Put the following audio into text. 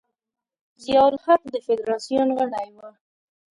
ضیا الحق د فدراسیون غړی و.